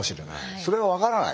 それは分からない。